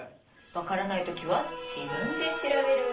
分からない時は自分で調べる。